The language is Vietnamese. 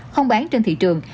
không bán trên thị trường